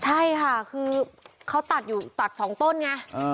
ใช่ค่ะคือเขาตัดอยู่ตัด๒ต้นไง